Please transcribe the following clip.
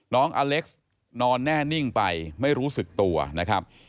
น้องอเล็กซ์นอนแน่นิ่งไปไม่รู้สึกตัวนะครับ